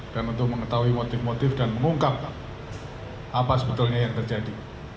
dan untuk mengetahui motif motif dan mengungkap apa sebetulnya yang terjadi